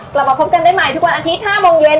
กลับมาพบกันได้ใหม่ทุกวันอาทิตย์๕โมงเย็น